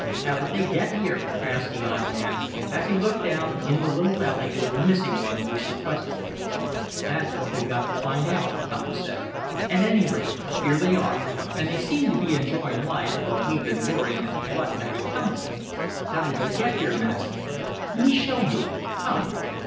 "How did they get here?" asked the odd man, as he looked down in the little valley where the missing ones were sequestered. "That's what we've got to find out," Tom said. "At any rate here they are, and they seem to be enjoying life while we've been worrying as to what had become of them. How did they get here, Masni?" "Me show you. Come."